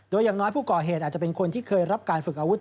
โดยอย่างน้อยผู้ก่อเหตุอาจจะเป็นคนที่เคยรับการฝึกอาวุธ